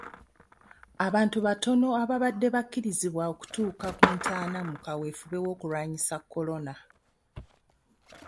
Abantu batono ababadde bakkirizibwa okutuuka ku ntaana mu kaweefube w'okulwanyisa korona.